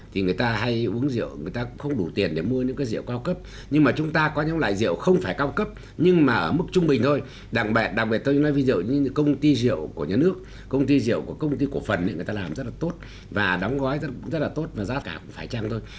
thì người ta hay uống rượu người ta cũng không đủ tiền để mua những cái rượu cao cấp nhưng mà chúng ta có những loại rượu không phải cao cấp nhưng mà ở mức trung bình thôi đạc đặc biệt tôi nói ví dụ như những công ty rượu của nhà nước công ty rượu của công ty cổ phần người ta làm rất là tốt và đóng gói cũng rất là tốt và giá cả cũng phải trăng thôi